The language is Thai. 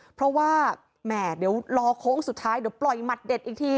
เพราะว่าแหม่เดี๋ยวรอโค้งสุดท้ายเดี๋ยวปล่อยหมัดเด็ดอีกที